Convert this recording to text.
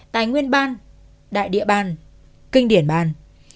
tài nguyên ban đại địa ban kinh điển ban